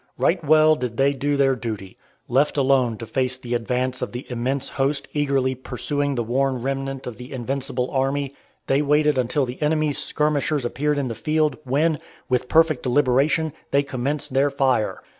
Right well did they do their duty. Left alone to face the advance of the immense host eagerly pursuing the worn remnant of the invincible army, they waited until the enemy's skirmishers appeared in the field, when, with perfect deliberation, they commenced their fire.